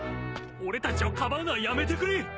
俺たちをかばうのはやめてくれ！